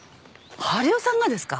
治代さんがですか？